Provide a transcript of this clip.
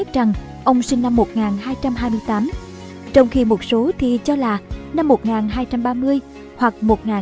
trong khi một số thì cho là năm một nghìn hai trăm ba mươi hoặc một nghìn hai trăm ba mươi bốn